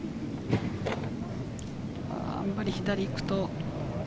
あんまり左に行くと。